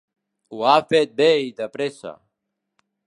Ho ha fet bé i de pressa.